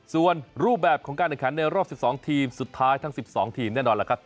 ส่วนรูปแบบของการแข่งขันในรอบ๑๒ทีมสุดท้ายทั้ง๑๒ทีมแน่นอนล่ะครับ